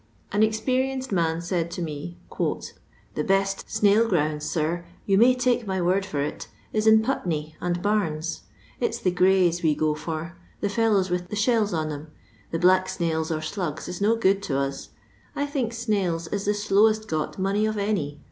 An experienced man said to me :—" The best snail grounds, sir, you may take my word fur it, is in Putney and Barnes. It 's the ' greys ' we go for, the fellows xAxh the shells on 'em ; the black snails or slugs is no good to os. I think snails is the slowest got money of any.